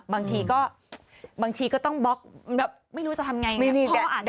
บางทีก็บางทีก็ต้องบล็อกแบบไม่รู้จะทำไง